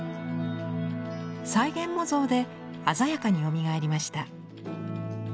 再現模造で鮮やかによみがえりました。